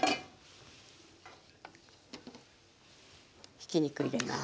ひき肉入れます。